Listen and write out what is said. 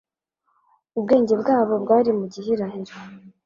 Ubwenge bwabo bwari mu gihirahiro.